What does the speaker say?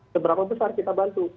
seberapa besar kita bantu